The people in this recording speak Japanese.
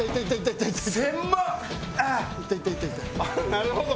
なるほど。